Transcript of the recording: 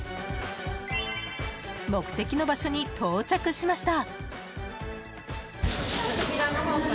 目的の場所に到着しました。